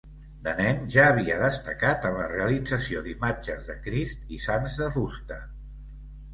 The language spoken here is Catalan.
De nen ja havia destacat en la realització d'imatges de Crist i sants de fusta.